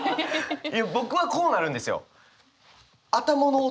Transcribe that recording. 僕はこうなるんですよ。